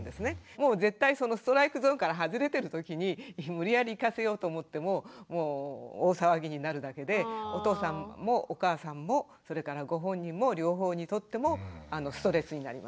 もう絶対そのストライクゾーンから外れてるときに無理やり行かせようと思っても大騒ぎになるだけでお父さんもお母さんもそれからご本人も両方にとってもストレスになります。